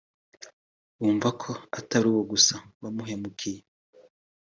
wumva ko atari uwo gusa wamuhemukiye